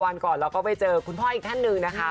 วันก่อนเราก็ไปเจอคุณพ่ออีกท่านหนึ่งนะคะ